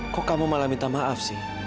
kok kamu malah minta maaf sih